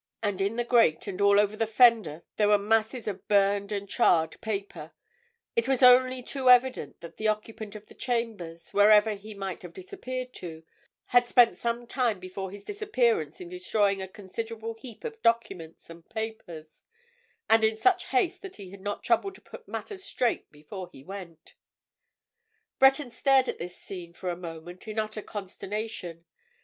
And in the grate, and all over the fender there were masses of burned and charred paper; it was only too evident that the occupant of the chambers, wherever he might have disappeared to, had spent some time before his disappearance in destroying a considerable heap of documents and papers, and in such haste that he had not troubled to put matters straight before he went. Breton stared at this scene for a moment in utter consternation.